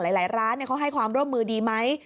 หลายร้านเขาให้ความร่วมมือดีไหม